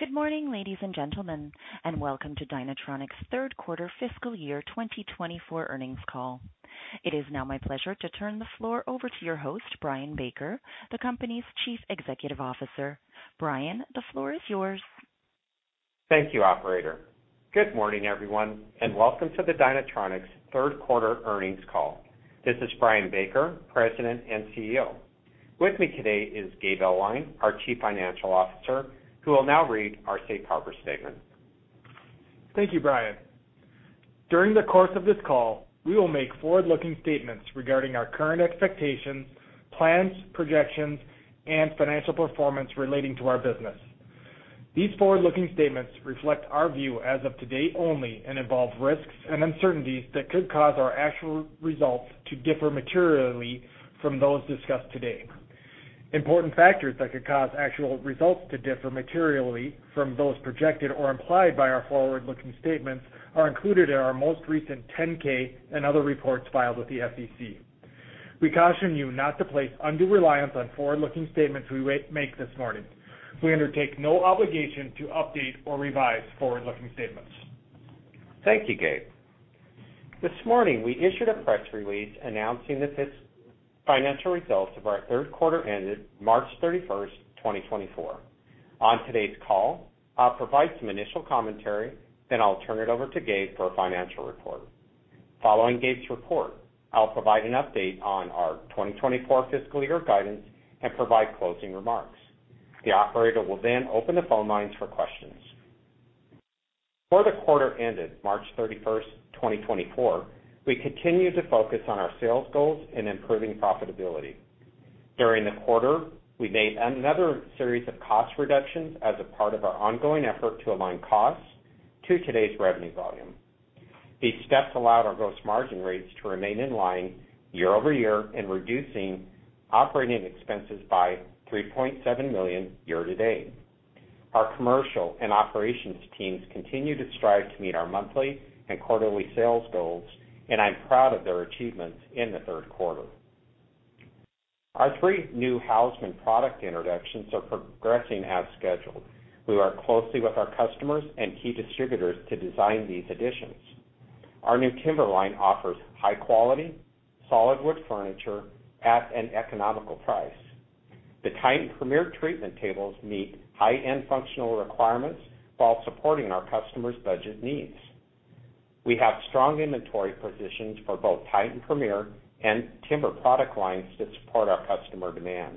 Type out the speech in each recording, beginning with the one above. Good morning, ladies and gentlemen, and welcome to Dynatronics' third quarter fiscal year 2024 earnings call. It is now my pleasure to turn the floor over to your host, Brian Baker, the company's Chief Executive Officer. Brian, the floor is yours. Thank you, operator. Good morning, everyone, and welcome to the Dynatronics third quarter earnings call. This is Brian Baker, President and CEO. With me today is Gabe Ellwein, our Chief Financial Officer, who will now read our safe harbor statement. Thank you, Brian. During the course of this call, we will make forward-looking statements regarding our current expectations, plans, projections, and financial performance relating to our business. These forward-looking statements reflect our view as of today only and involve risks and uncertainties that could cause our actual results to differ materially from those discussed today. Important factors that could cause actual results to differ materially from those projected or implied by our forward-looking statements are included in our most recent 10-K and other reports filed with the SEC. We caution you not to place undue reliance on forward-looking statements we make this morning. We undertake no obligation to update or revise forward-looking statements. Thank you, Gabe. This morning, we issued a press release announcing the financial results of our third quarter ended March 31, 2024. On today's call, I'll provide some initial commentary, then I'll turn it over to Gabe for a financial report. Following Gabe's report, I'll provide an update on our 2024 fiscal year guidance and provide closing remarks. The operator will then open the phone lines for questions. For the quarter ended March 31, 2024, we continued to focus on our sales goals and improving profitability. During the quarter, we made another series of cost reductions as a part of our ongoing effort to align costs to today's revenue volume. These steps allowed our gross margin rates to remain in line year-over-year and reducing operating expenses by $3.7 million year-to-date. Our commercial and operations teams continue to strive to meet our monthly and quarterly sales goals, and I'm proud of their achievements in the third quarter. Our three new Hausmann product introductions are progressing as scheduled. We work closely with our customers and key distributors to design these additions. Our new Timberline offers high quality, solid wood furniture at an economical price. The Titan Premier treatment tables meet high-end functional requirements while supporting our customers' budget needs. We have strong inventory positions for both Titan Premier and Timber product lines that support our customer demand.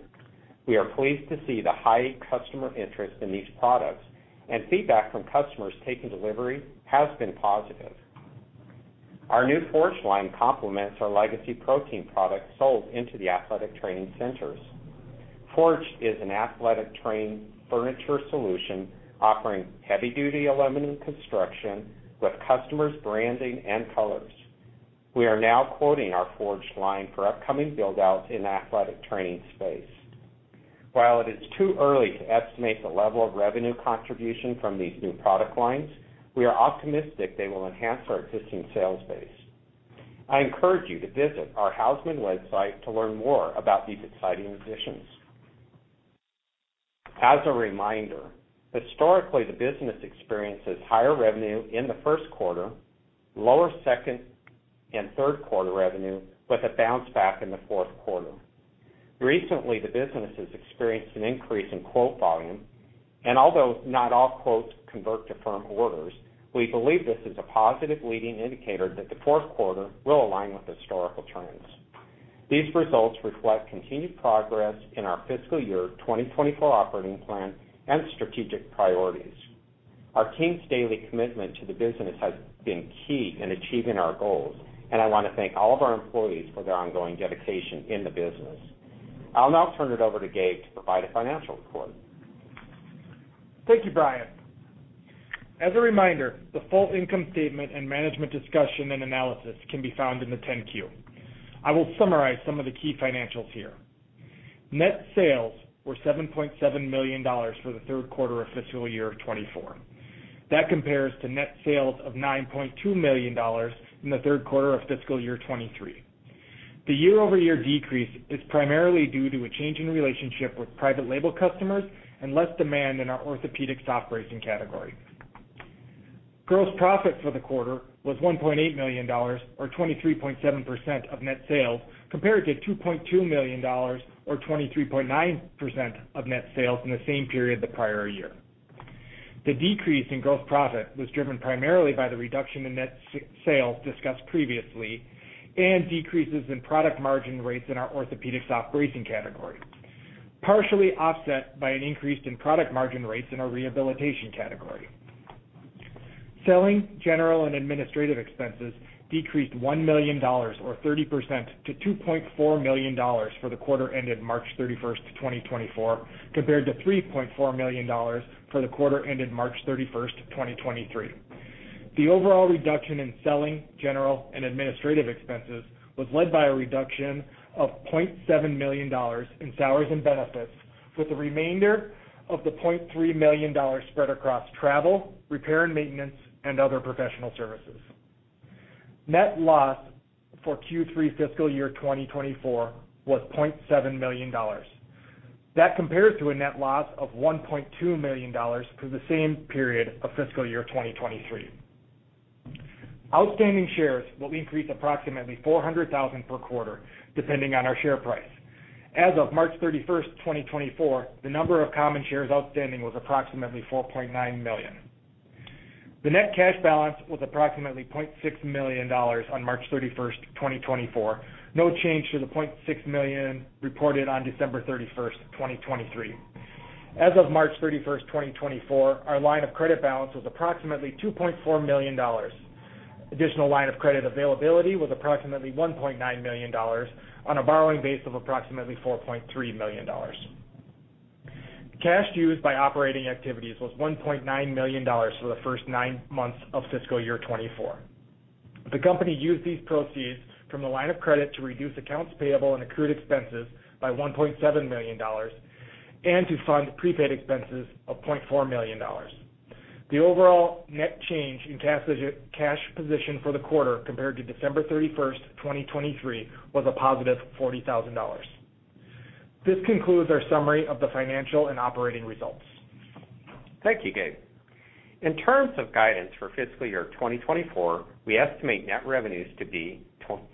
We are pleased to see the high customer interest in these products, and feedback from customers taking delivery has been positive. Our new Forge line complements our legacy ProTeam products sold into the athletic training centers. Forge is an athletic training furniture solution offering heavy-duty aluminum construction with customers' branding and colors. We are now quoting our Forge line for upcoming build-outs in athletic training space. While it is too early to estimate the level of revenue contribution from these new product lines, we are optimistic they will enhance our existing sales base. I encourage you to visit our Hausmann website to learn more about these exciting additions. As a reminder, historically, the business experiences higher revenue in the first quarter, lower second and third quarter revenue, with a bounce back in the fourth quarter. Recently, the business has experienced an increase in quote volume, and although not all quotes convert to firm orders, we believe this is a positive leading indicator that the fourth quarter will align with historical trends. These results reflect continued progress in our fiscal year 2024 operating plan and strategic priorities. Our team's daily commitment to the business has been key in achieving our goals, and I want to thank all of our employees for their ongoing dedication in the business. I'll now turn it over to Gabe to provide a financial report. Thank you, Brian. As a reminder, the full income statement and management discussion and analysis can be found in the 10-Q. I will summarize some of the key financials here. Net sales were $7.7 million for the third quarter of fiscal year 2024. That compares to net sales of $9.2 million in the third quarter of fiscal year 2023. The year-over-year decrease is primarily due to a change in relationship with private label customers and less demand in our orthopedic soft bracing category. Gross profit for the quarter was $1.8 million, or 23.7% of net sales, compared to $2.2 million, or 23.9% of net sales in the same period the prior year. The decrease in gross profit was driven primarily by the reduction in net sales discussed previously and decreases in product margin rates in our orthopedic soft bracing category, partially offset by an increase in product margin rates in our rehabilitation category. Selling, general, and administrative expenses decreased $1 million, or 30%, to $2.4 million for the quarter ended March 31, 2024, compared to $3.4 million for the quarter ended March 31, 2023. The overall reduction in selling, general, and administrative expenses was led by a reduction of $0.7 million in salaries and benefits, with the remainder of the $0.3 million spread across travel, repair and maintenance, and other professional services. Net loss for Q3 fiscal year 2024 was $0.7 million. That compares to a net loss of $1.2 million for the same period of fiscal year 2023. Outstanding shares will increase approximately 400,000 per quarter, depending on our share price. As of March 31, 2024, the number of common shares outstanding was approximately 4.9 million. The net cash balance was approximately $0.6 million on March 31, 2024. No change to the $0.6 million reported on December 31, 2023. As of March 31, 2024, our line of credit balance was approximately $2.4 million. Additional line of credit availability was approximately $1.9 million on a borrowing base of approximately $4.3 million. Cash used by operating activities was $1.9 million for the first nine months of fiscal year 2024. The company used these proceeds from the line of credit to reduce accounts payable and accrued expenses by $1.7 million and to fund prepaid expenses of $0.4 million. The overall net change in cash, cash position for the quarter compared to December thirty-first, 2023, was a positive $40,000. This concludes our summary of the financial and operating results. Thank you, Gabe. In terms of guidance for fiscal year 2024, we estimate net revenues to be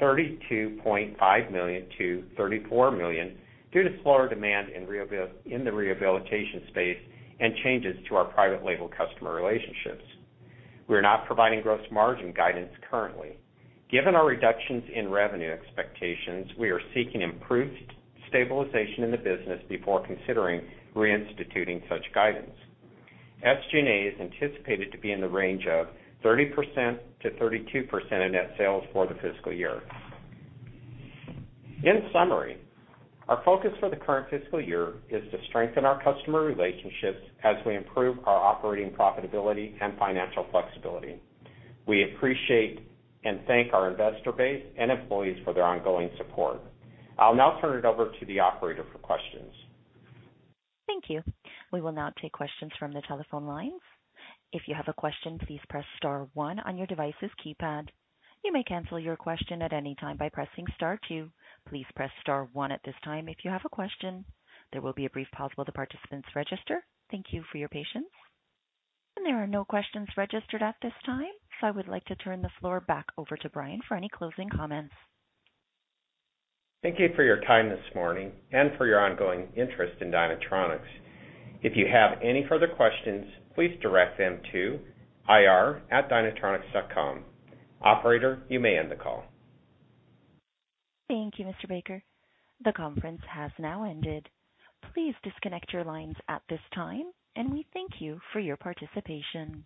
$32.5 million-$34 million due to slower demand in the rehabilitation space and changes to our private label customer relationships. We are not providing gross margin guidance currently. Given our reductions in revenue expectations, we are seeking improved stabilization in the business before considering reinstituting such guidance. SG&A is anticipated to be in the range of 30%-32% of net sales for the fiscal year. In summary, our focus for the current fiscal year is to strengthen our customer relationships as we improve our operating profitability and financial flexibility. We appreciate and thank our investor base and employees for their ongoing support. I'll now turn it over to the operator for questions. Thank you. We will now take questions from the telephone lines. If you have a question, please press star one on your device's keypad. You may cancel your question at any time by pressing star two. Please press star one at this time if you have a question. There will be a brief pause while the participants register. Thank you for your patience. There are no questions registered at this time, so I would like to turn the floor back over to Brian for any closing comments. Thank you for your time this morning and for your ongoing interest in Dynatronics. If you have any further questions, please direct them to ir@dynatronics.com. Operator, you may end the call. Thank you, Mr. Baker. The conference has now ended. Please disconnect your lines at this time, and we thank you for your participation.